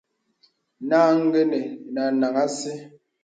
Nā āngənə́ naŋhàŋ así.